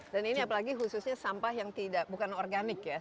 dan ini apalagi khususnya sampah yang tidak bukan organik ya